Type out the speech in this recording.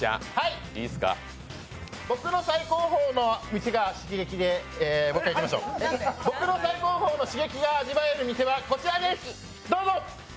僕の最高峰の店が刺激でもう一回いきましょう僕の刺激が味わえる店はこちらです、どうぞ。